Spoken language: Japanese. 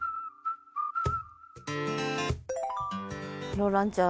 ローランちゃん